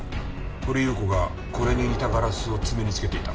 掘祐子がこれに似たガラスを爪につけていた。